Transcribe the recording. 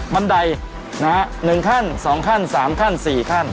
บันได๑ขั้น๒ขั้น๓ขั้น๔ขั้น